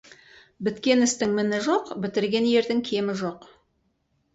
Біткен істің міні жоқ, бітірген ердің кемі жоқ.